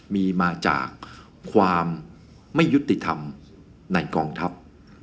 มีมาจากความไม่ยุติธรรมในกองทัพ